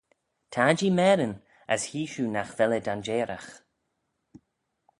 Tar-jee marin as hee shiu nagh vel eh danjeyragh.